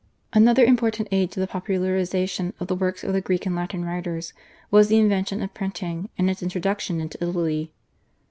Another important aid to the popularisation of the works of the Greek and Latin writers was the invention of printing and its introduction into Italy.